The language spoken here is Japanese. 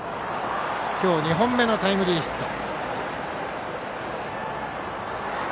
今日２本目のタイムリーヒット。